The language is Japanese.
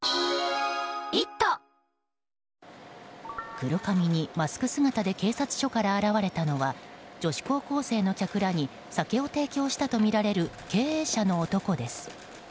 黒髪にマスク姿で警察署から現れたのは女子高校生の客らに酒を提供したとみられる経営者の男です。